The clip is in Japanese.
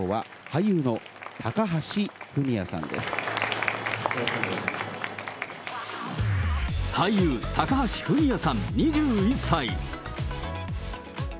俳優、高橋文哉さん２１歳。